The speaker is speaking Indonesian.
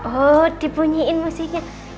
oh dipunyiin musiknya